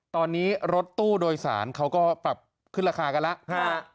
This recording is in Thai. ตอนนี้รถตู้โดยสารเขาก็ปรับขึ้นราคากันแล้ว